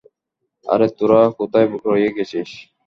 আরে তোরা কোথায় রয়ে গেছিস?